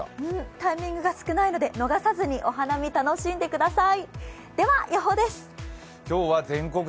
タイミングが少ないので、逃さずにお花見、楽しんでください